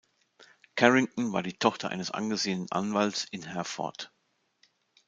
Carrington war die Tochter eines angesehenen Anwalts in Hereford.